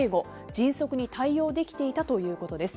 迅速に対応できていたということです。